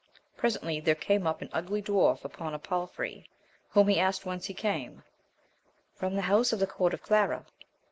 Presently there came up an ugly dwarf upon a palfrey, whom he asked whence he came? — From the house of the Count of Clara.